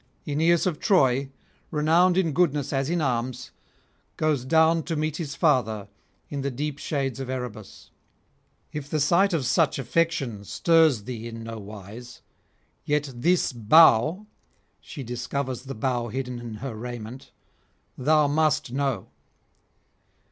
Aeneas of Troy, renowned [404 437]in goodness as in arms, goes down to meet his father in the deep shades of Erebus. If the sight of such affection stirs thee in nowise, yet this bough' (she discovers the bough hidden in her raiment) 'thou must know.'